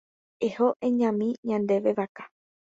Eho eñami ñande vaka.